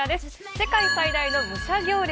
世界最大の武者行列。